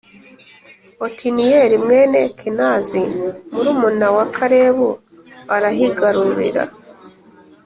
Otiniyeli mwene Kenazi, murumuna wa Kalebu, arahigarurira,